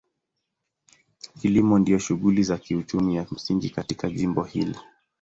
Kilimo ndio shughuli ya kiuchumi ya msingi katika jimbo hili.